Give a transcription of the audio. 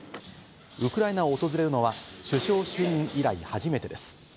ウクライナを訪れるのは首相就任以来、初めてです。